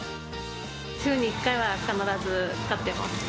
週に１回は必ず買ってます。